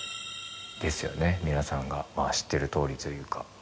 皆さんが知ってるとおりというか。